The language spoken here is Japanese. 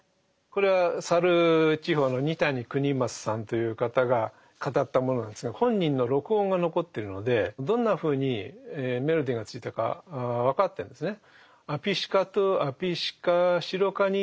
これは沙流地方の二谷国松さんという方が語ったものなんですが本人の録音が残ってるのでどんなふうにメロディーがついたか分かってるんですね。